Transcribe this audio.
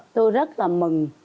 tôi rất là mừng